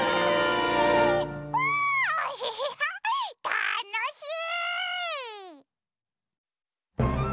たのしい！